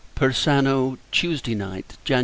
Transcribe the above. Persano, Tuesday Night, [Jan.